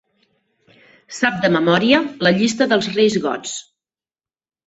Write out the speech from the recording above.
Sap de memòria la llista dels reis gots.